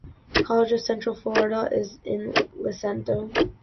College of Central Florida is in Lecanto.